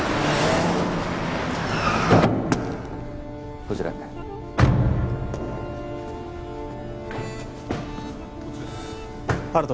こちらへ温人